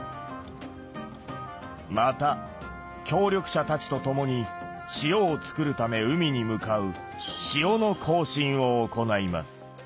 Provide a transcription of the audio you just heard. また協力者たちと共に塩を作るため海に向かう塩の行進を行います。